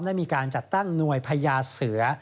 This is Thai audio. ได้มีการจัดตั้งหน่วยพญาเสือ